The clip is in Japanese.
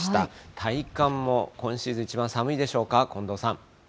体感も今シーズン一番寒いでしょうか。